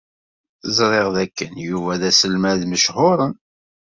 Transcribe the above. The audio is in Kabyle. Ẓriɣ dakken Yuba d aselmad mechuṛen.